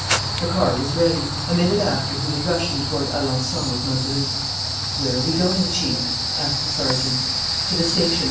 The car was ready. A minute after he was rushing toward Alençon with Mazeroux. "Where are we going, Chief?" asked the sergeant. "To the station.